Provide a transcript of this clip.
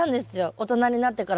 大人になってから。